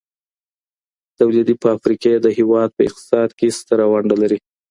تولیدي فابریکې د هیواد په اقتصاد کي ستره ونډه لري.